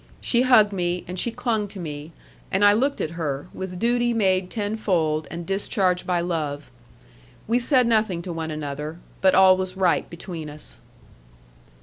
She hugged me, and she clung to me; and I looked at her, with duty made tenfold, and discharged by love. We said nothing to one another; but all was right between us.